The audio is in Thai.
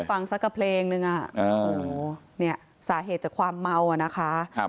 ไม่ได้ฟังสักกะเพลงหนึ่งอ่ะสาเหตุจากความเมาอ่ะนะคะ